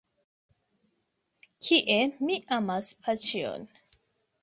Kiel mi amas paĉjon!